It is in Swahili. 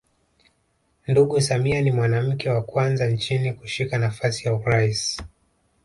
Ndugu Samia ni mwanamke wa kwanza nchini kushika nafasi ya urais